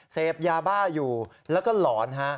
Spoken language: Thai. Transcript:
เสพยาบ้าอยู่แล้วก็หลอนฮะ